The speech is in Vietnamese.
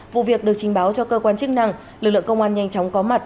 vụ việc được trình báo cho cơ quan chức năng lực lượng công an nhanh chóng có mặt